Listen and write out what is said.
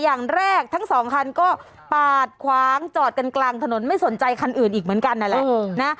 อย่างแรกทั้งสองคันก็ปาดคว้างจอดกันกลางถนนไม่สนใจคันอื่นอีกเหมือนกันนั่นแหละนะ